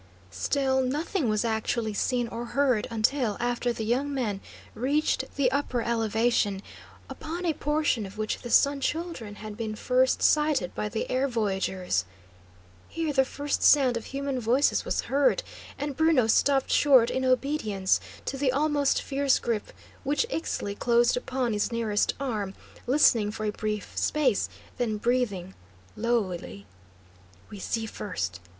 Still, nothing was actually seen or heard until after the young men reached the upper elevation, upon a portion of which the Sun Children had been first sighted by the air voyagers. Here the first sound of human voices was heard, and Bruno stopped short in obedience to the almost fierce grip which Ixtli closed upon his nearest arm, listening for a brief space, then breathing, lowly: "We see, first.